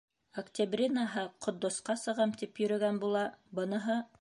Октябринаһы Ҡотдосҡа сығам, тип йөрөгән була, быныһы...